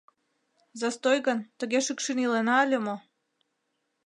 Застой гын, тыге шӱкшӱн илена ыле мо?